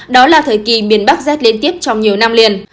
đó là thời kỳ miền bắc rét liên tiếp trong nhiều năm liền